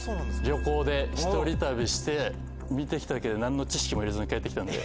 旅行で一人旅して見てきたけど何の知識も得ずに帰ってきたんで。